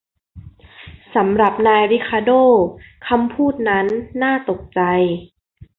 สำหรับนายริคาร์โด้คำพูดนั้นน่าตกใจ